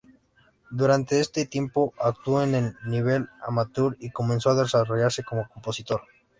Durante este tiempo actuó en el nivel amateur y comenzó a desarrollarse como compositor.